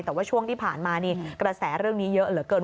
แต่ว่าช่วงที่ผ่านมานี่กระแสเรื่องนี้เยอะเหลือเกิน